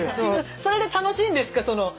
それで楽しいんですか？